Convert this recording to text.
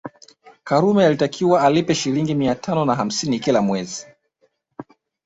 Karume alitakiwa alipe Shilingi mia tano na hamsini kila mwezi